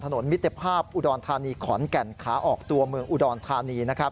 มิตรภาพอุดรธานีขอนแก่นขาออกตัวเมืองอุดรธานีนะครับ